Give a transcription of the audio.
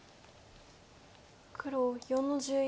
黒４の十一。